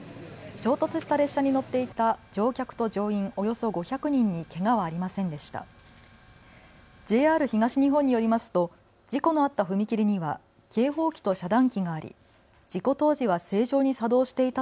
衝突した列車に乗っていた乗客と乗員およそ５００人にけがはありませんでした。